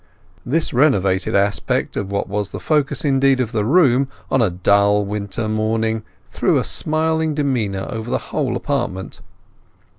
This renovated aspect of what was the focus indeed of the room on a full winter morning threw a smiling demeanour over the whole apartment.